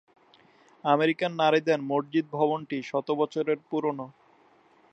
আমেরিকার নারীদের মসজিদ ভবনটি শত বছরের পুরনো।